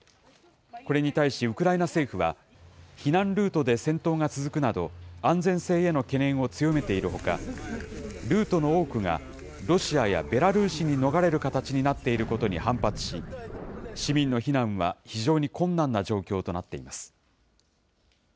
これに対しウクライナ政府は、避難ルートで戦闘が続くなど、安全性への懸念を強めているほか、ルートの多くがロシアやベラルーシに逃れる形になっていることに反発し、市民の避難は非常に困難な状況となっています。